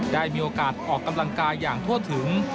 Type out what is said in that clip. ได้มีโอกาสออกกำลังกายอย่างทั่วถึง